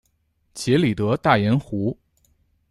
杰里德大盐湖。